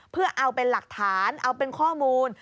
เพื่อเอาเป็นหลักฐานเอาเป็นข้อมูล